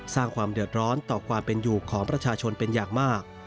สร้างความเดือดร้อนต่อความเป็นอยู่ของประชาชนเป็นอย่างมาก